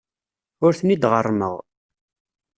Ur ten-id-ɣerrmeɣ.